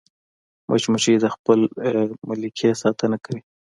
مچمچۍ د خپل ملکې ساتنه کوي